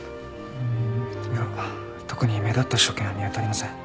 うんいや特に目立った所見は見当たりません。